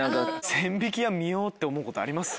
千疋屋見ようって思うことあります？